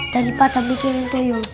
daripada bikin tuyul